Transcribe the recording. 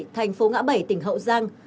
thành phố ngã bảy tỉnh hậu giang